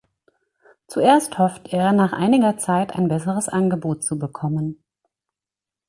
Zuerst hofft er, nach einiger Zeit ein besseres Angebot zu bekommen.